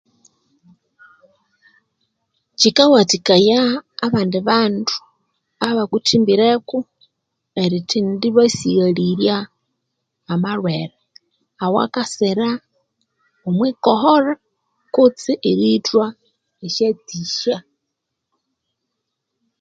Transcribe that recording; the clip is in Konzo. Kyikawathikaya abandi bandu abakuthimbireko erithendibasighalirya amalhwere awakasira omwi koholha kutse erithwa esya tsihya.